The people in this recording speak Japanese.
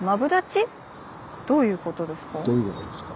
どういうことですか。